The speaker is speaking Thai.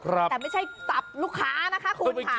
แต่ไม่ใช่จับลูกค้านะคะคุณค่ะ